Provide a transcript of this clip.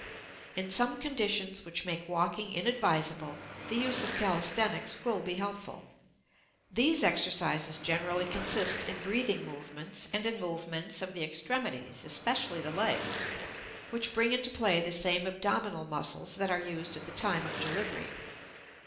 In some conditions which make walking inadvisable the use of calisthenics will be helpful. These exercises generally consist in breathing movements and in movements of the extremities, especially the legs, which bring into play the same abdominal muscles that are used at the time of delivery.